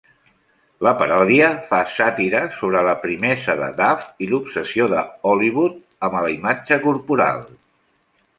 La paròdia fa sàtira sobre la primesa de Duff i l'obsessió de Hollywood amb la imatge corporal.